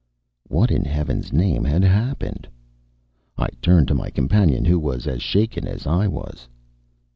What in heaven's name had happened? I turned to my companion, who was as shaken as I was.